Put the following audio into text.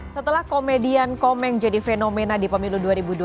setelah komedian komeng jadi fenomena di pemilu dua ribu dua puluh